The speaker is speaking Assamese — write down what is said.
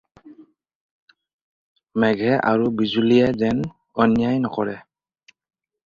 মেঘে আৰু বিজুলীয়ে যেন অন্যায় নকৰে।